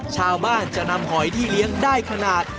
ชาวบ้านจะนำหอยที่เลี้ยงได้ขนาด